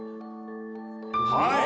はい！